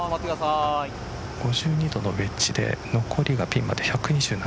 ５２度のウェッジで残りがピンまで１２７。